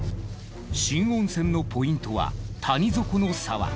新温泉のポイントは谷底の沢。